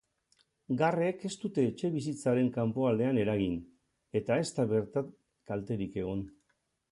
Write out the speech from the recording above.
Garrek ez dute etxebizitzaren kanpoaldean eragin, eta ez da bertan kalterik egon.